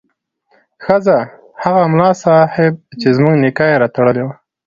ښځه: هغه ملا صیب چې زموږ نکاح یې راتړلې وه